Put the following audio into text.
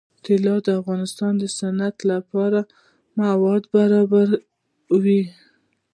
طلا د افغانستان د صنعت لپاره مواد برابروي.